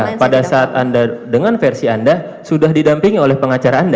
nah pada saat anda dengan versi anda sudah didampingi oleh pengacara anda